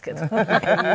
ハハハハ！